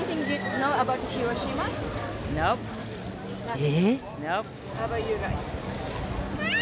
え？